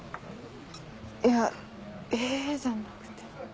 いや「ヘヘヘ」じゃなくて。